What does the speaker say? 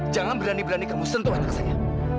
jangan berani berani kamu sentuh anak saya